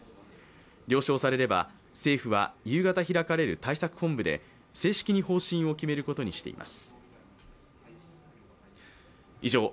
了承されれば、政府は夕方開かれる対策本部で正式に方針を決めることにしています。